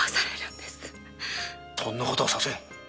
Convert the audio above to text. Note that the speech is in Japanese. そんなことはさせん！